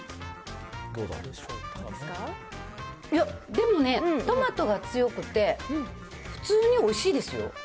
いや、でもね、トマトが強くて、普通においしいですよ。